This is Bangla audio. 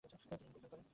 তিনি ইনতিকাল করেন।